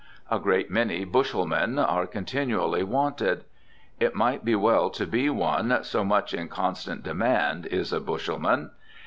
A great many bushelmen are continually "wanted." It might be well to be one so much in constant demand as a bushelman.